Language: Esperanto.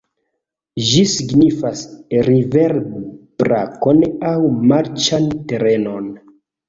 Ĝi signifas river-brakon aŭ marĉan terenon.